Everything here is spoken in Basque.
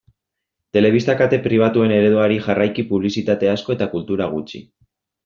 Telebista kate pribatuen ereduari jarraiki publizitate asko eta kultura gutxi.